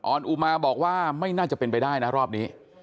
อุมาบอกว่าไม่น่าจะเป็นไปได้นะรอบนี้